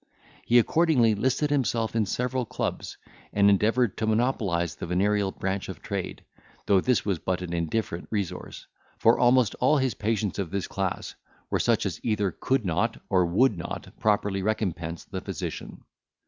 He accordingly listed himself in several clubs, and endeavoured to monopolise the venereal branch of trade, though this was but an indifferent resource, for almost all his patients of this class were such as either could not, or would not, properly recompense the physician.